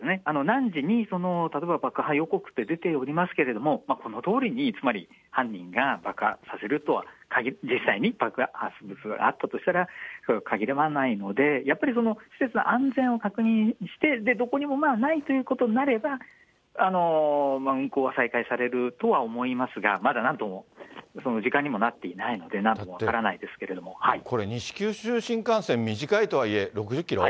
何時に例えば爆破予告って出ておりますけれども、そのとおりにつまり犯人が爆破させるとは、実際に爆発物があったとしたら、それはかぎらないので、やっぱり施設の安全を確認して、どこにもないということになれば、運行は再開されるとは思いますが、まだなんとも、その時間にもなっていないので、これ、西九州新幹線、短いとはいえ６０キロ？